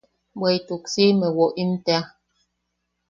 Bweʼituk siʼime woʼim tea.